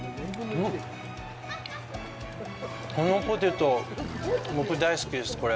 このポテト、僕、大好きです。